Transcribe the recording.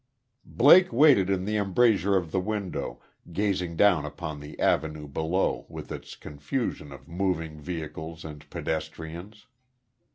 Blake waited in the embrasure of the window, gazing down upon the Avenue below, with its confusion of moving vehicles and pedestrians.